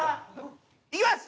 いきます！